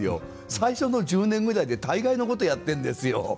最初の１０年ぐらいで大概のことやってんですよ。